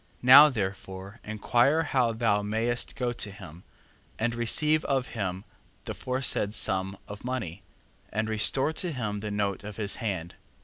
Now therefore inquire how thou mayst go to him, and receive of him the foresaid sum of money, and restore to him the note of his hand.